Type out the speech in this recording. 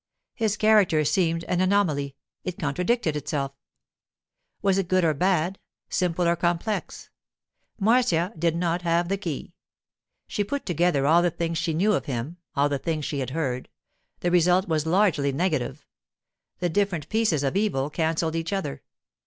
His character seemed an anomaly; it contradicted itself. Was it good or bad, simple or complex? Marcia did not have the key. She put together all the things she knew of him, all the things she had heard—the result was largely negative; the different pieces of evil cancelled each other.